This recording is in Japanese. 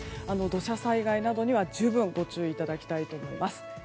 土砂災害などには十分ご注意いただきたいと思います。